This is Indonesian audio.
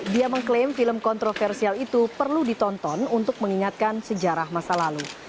dia mengklaim film kontroversial itu perlu ditonton untuk mengingatkan sejarah masa lalu